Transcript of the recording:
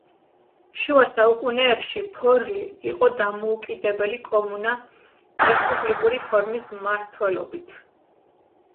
შუა საუკუნეებში ფორლი იყო დამოუკიდებელი კომუნა რესპუბლიკური ფორმის მმართველობით.